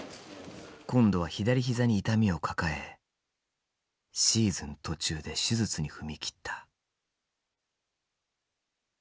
今度は左膝に痛みを抱えシーズン途中で手術に踏み切った。